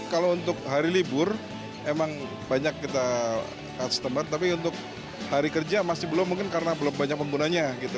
kalau untuk hari libur emang banyak kita customer tapi untuk hari kerja masih belum mungkin karena belum banyak penggunanya